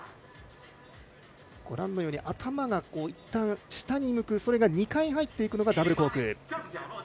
頭がいったん下に向くそれが２回入っていくのがダブルコーク。